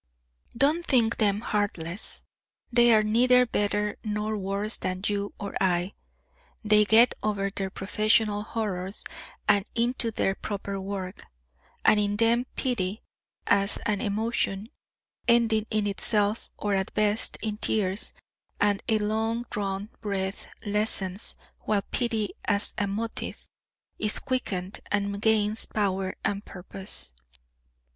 Don't think them heartless; they are neither better nor worse than you or I; they get over their professional horrors, and into their proper work', and in them pity as an emotion, ending in itself or at best in tears and a long drawn breath, lessens, while pity as a motive, is quickened, and gains power and purpose.